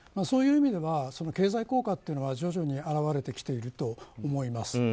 そういう意味では経済効果は徐々に表れてきていると思います。